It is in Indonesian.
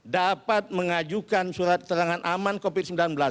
dapat mengajukan surat keterangan aman covid sembilan belas